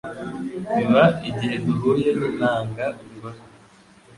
biba igihe duhuye n'intanga ngore